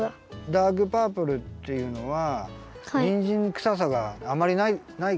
ダークパープルっていうのはにんじんくささがあまりないから。